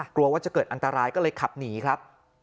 กลัวว่าจะเกิดอันตรายก็เลยขับหนีครับ